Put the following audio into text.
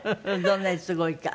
どんなにすごいか。